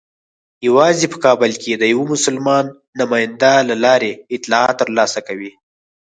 یوازې په کابل کې د یوه مسلمان نماینده له لارې اطلاعات ترلاسه کوي.